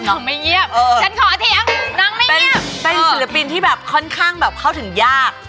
เป็นศิลปินที่หเข้าถึงยาก